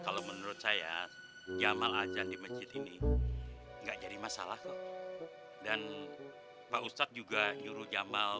kalau menurut saya jamal ajan di masjid ini enggak jadi masalah kok dan pak ustadz juga nyuruh jamal